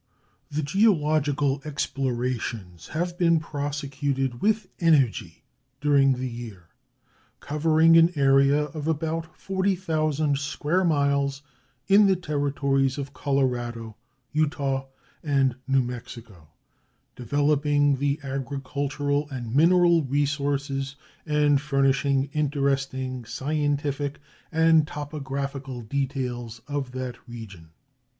The geological explorations have been prosecuted with energy during the year, covering an area of about 40,000 square miles in the Territories of Colorado, Utah, and New Mexico, developing the agricultural and mineral resources and furnishing interesting scientific and topographical details of that region.